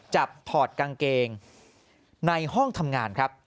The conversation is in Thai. ถอดกางเกงในห้องทำงานครับ